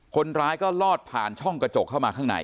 คนร้ายก็ลอดผ่านช่องกระจกเข้ามาข้างใน